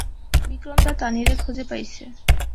বিক্রমদা তানিরে খুঁজে পাইসে।